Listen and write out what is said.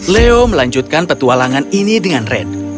leo melanjutkan petualangan ini dengan red